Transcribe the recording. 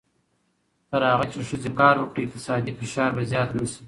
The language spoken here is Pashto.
تر هغه چې ښځې کار وکړي، اقتصادي فشار به زیات نه شي.